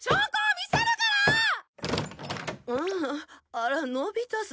あらのび太さん。